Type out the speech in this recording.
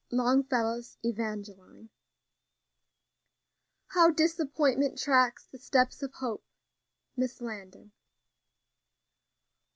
LONGFELLOW'S Evangeline. "How disappointment tracks The steps of hope!" MISS LANDON.